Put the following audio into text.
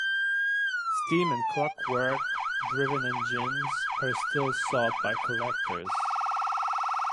Steam and clockwork driven engines are still sought by collectors.